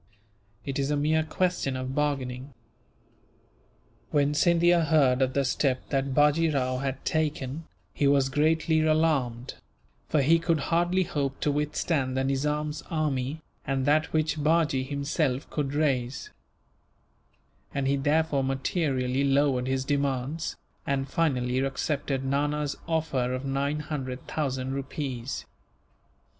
It is a mere question of bargaining." When Scindia heard of the step that Bajee Rao had taken, he was greatly alarmed; for he could hardly hope to withstand the Nizam's army, and that which Bajee himself could raise; and he therefore materially lowered his demands, and finally accepted Nana's offer of nine hundred thousand rupees.